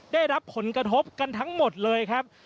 ได้รับผลกระทบกันทั้งหมดเลยครับ